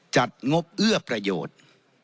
งบเอื้อประโยชน์